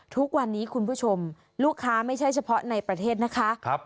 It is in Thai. ทุกวันนี้คุณผู้ชมลูกค้าไม่ใช่เฉพาะในประเทศนะคะ